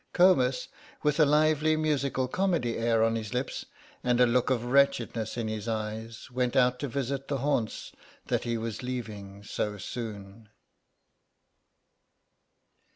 Comus, with a lively musical comedy air on his lips, and a look of wretchedness in his eyes, went out to visit the haunts that he was leaving so soon.